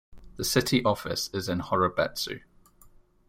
The city office is in Horobetsu.